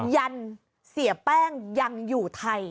ยันเสียแป้งยังอยู่ไทย